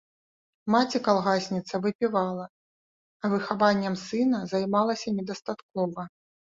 Маці-калгасніца выпівала, а выхаваннем сына займалася недастаткова.